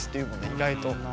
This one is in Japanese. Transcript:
意外と。